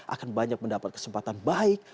akan banyak mendapat kesempatan baik